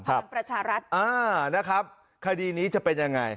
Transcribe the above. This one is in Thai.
พลังประชารัฐอ่านะครับคดีนี้จะเป็นยังไง